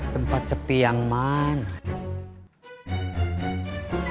tempat sepi yang mana